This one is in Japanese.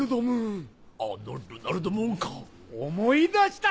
思い出した！